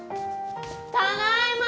ただいま！